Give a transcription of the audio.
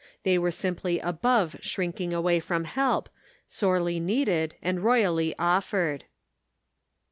They were simply above shrinking away from help, sorely needed, and royally offered.